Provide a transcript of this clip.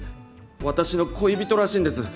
私の恋人らしいんです。